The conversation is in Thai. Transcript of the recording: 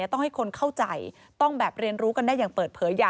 ต้องให้คนเข้าใจต้องแบบเรียนรู้กันได้อย่างเปิดเผย